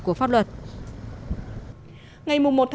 của pháp luật